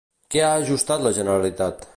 Què ha ajustat la Generalitat?